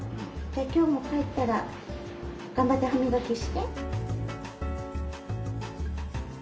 今日も帰ったら頑張って歯みがきして。